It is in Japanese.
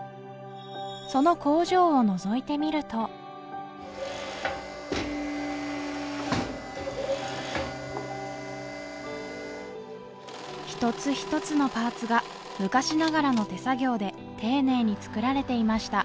その工場をのぞいてみると一つ一つのパーツが昔ながらの手作業で丁寧に作られていました